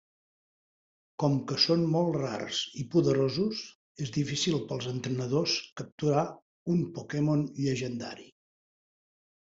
Com que són molt rars i poderosos, és difícil pels entrenadors capturar un Pokémon llegendari.